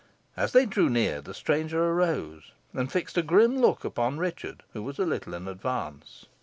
As they drew near, the stranger arose, and fixed a grim look upon Richard, who was a little in advance.